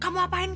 aku mau pergi